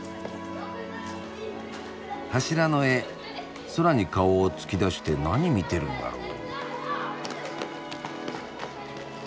柱の絵空に顔を突き出して何見てるんだろう？